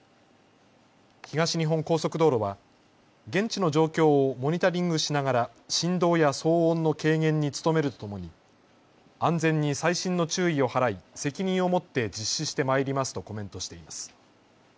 東日本高速道路は現地の状況をモニタリングしながら振動や騒音の軽減に努めるとともに安全に細心の注意を払い責任を持って実施してまいりますとコメントしています。